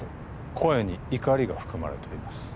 声に怒りが含まれています